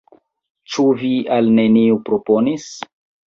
Ĉu vi al neniu proponis?